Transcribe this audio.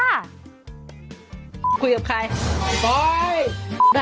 คุยกับใคร